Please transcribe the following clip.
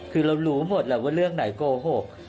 คือเรารู้หมดแหละว่าเรื่องไหนโกหก